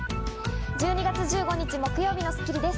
１２月１５日、木曜日の『スッキリ』です。